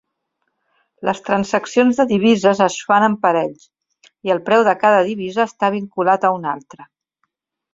Les transaccions de divises es fan en parells, i el preu de cada divisa està vinculat a una altra.